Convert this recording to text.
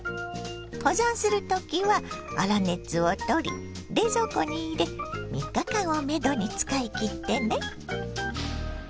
保存する時は粗熱を取り冷蔵庫に入れ３日間をめどに使い切ってね。